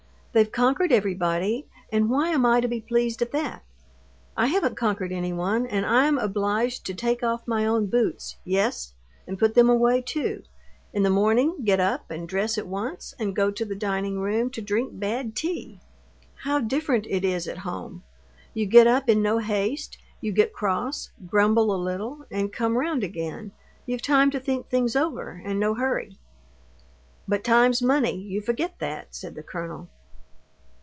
They've conquered everybody, and why am I to be pleased at that? I haven't conquered anyone; and I'm obliged to take off my own boots, yes, and put them away too; in the morning, get up and dress at once, and go to the dining room to drink bad tea! How different it is at home! You get up in no haste, you get cross, grumble a little, and come round again. You've time to think things over, and no hurry." "But time's money, you forget that," said the colonel.